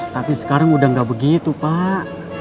tapi sekarang udah nggak begitu pak